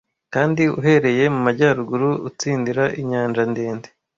kandi uhereye mu majyaruguru utsindira inyanja ndende